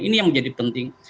ini yang menjadi penting